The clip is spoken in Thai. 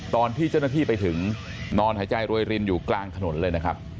ตอนที่เจ้าระธิไปถึงนอนหายใจรวยลินอยู่กลางถนนเลย